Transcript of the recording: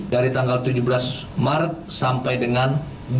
dari tanggal tujuh belas maret sampai dengan